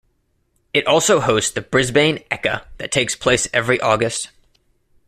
It also hosts the Brisbane Ekka that takes place every August.